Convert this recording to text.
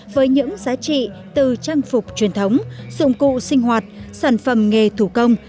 với những giá trị từ trang phục truyền thống dụng cụ sinh hoạt sản phẩm nghề thủ công